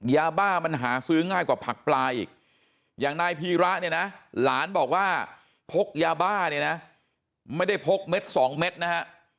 ยาบ้ามันหาซื้อง่ายกว่าผักปลาอีกอย่างนายพีระเนี่ยนะหลานบอกว่าพกยาบ้าเนี่ยนะไม่ได้พกเม็ดสองเม็ดนะฮะ